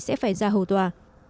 sẽ phải ra hậu tòa